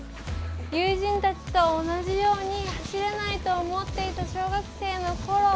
友人たちと同じように走れないと思っていた小学生のころ